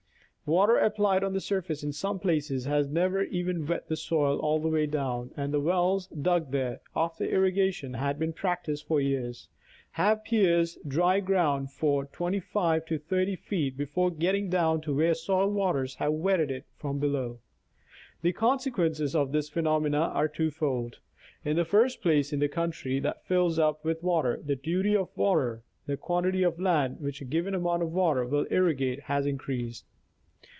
Water applied on the surface in some places has never even wet the soil all the way down, and wells dug there, after irrigation had been practiced for years, have pierced dry ground for 25 or 30 feet before getting down to where soil waters have wetted it from below. The consequences of these phenom ena are twofold. In the first place, in the country that fills up with water, the duty of water — the quantity of land which a given amount of water will irrigate — has increased.